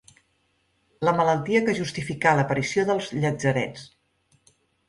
La malaltia que justificà l'aparició dels llatzerets.